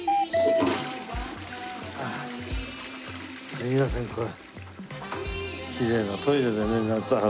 すみませんこれ。